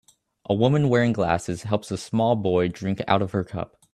A woman wearing glasses helps a small boy drink out of her cup